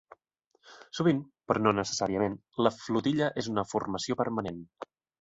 Sovint, però no necessàriament, la flotilla és una formació permanent.